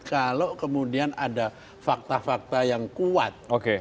kalau kemudian ada fakta fakta yang kuat